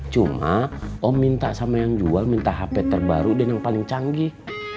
cuma om minta sama yang jual minta hp terbaru dan yang paling canggih